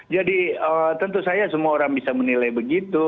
jadi tentu saya semua orang bisa menilai begitu